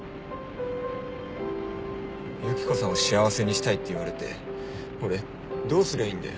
ユキコさんを幸せにしたいって言われて俺どうすりゃいいんだよ。